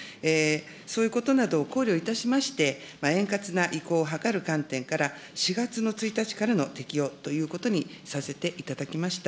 そういうことなどを考慮いたしまして、円滑な移行を図る観点から、４月の１日からの適用ということにさせていただきました。